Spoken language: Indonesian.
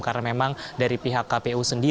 karena memang dari pihak kpu